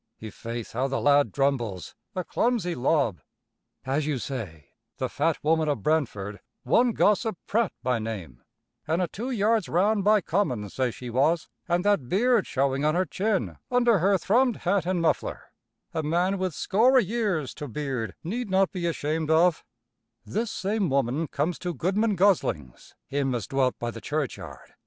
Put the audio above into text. I' faith, how the lad drumbles, a clumsy lob "As you say, the fat woman of Brentford, one Gossip Pratt by name, an' a two yards round by common say she was, an' that beard showing on her chin under her thrummed hat an' muffler, a man with score o' years to beard need not be ashamed of this same woman comes to Goodman Gosling's, him as dwelt by the churchyard.